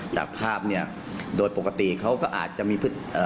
จากภาพโดดปกติเขาก็อาจจะมีพืช